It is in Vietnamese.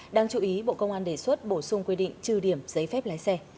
đáng chú ý bộ công an đề xuất bổ sung quy định trừ điểm giấy phép lái xe